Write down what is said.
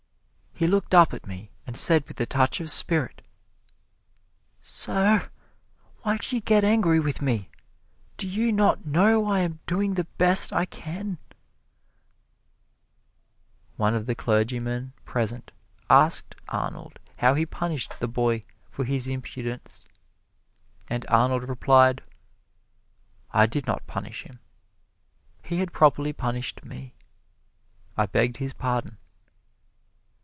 He looked up at me and said with a touch of spirit: 'Sir, why do you get angry with me? Do you not know I am doing the best I can?'" One of the clergymen present asked Arnold how he punished the boy for his impudence. And Arnold replied: "I did not punish him he had properly punished me. I begged his pardon."